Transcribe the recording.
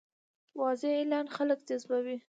واضح اعلان خلک جذبوي.